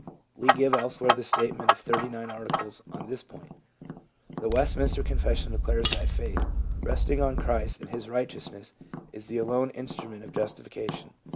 We give elsewhere the statement of the Thirty nine Articles on this point. The Westminster Confession declares that "faith, resting on Christ and His righteousness, is the alone instrument of justification."